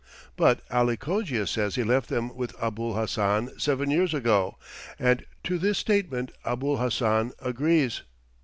"But Ali Cogia says he left them with Abul Hassan seven years ago, and to this statement Abul Hassan agrees."